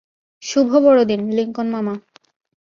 শুভ বড়দিন, লিংকন মামা।